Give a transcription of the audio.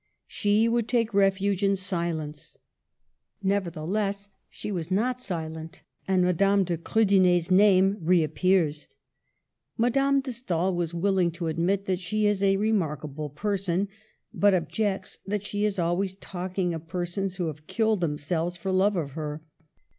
She would take refuge in silence. Nevertheless she is not silent; and Madame de Krudener' s name reappears. Ma dame de Stael is willing to admit that she is a remarkable person, but objects that she is always talking of persons who have killed themselves for love of her.